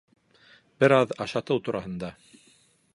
Бер аҙ ашатыу тураһында